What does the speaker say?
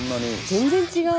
全然違う！